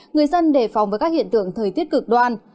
người dân đề phòng với các hiện tượng thời tiết cực đoan